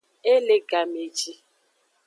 E le game ji.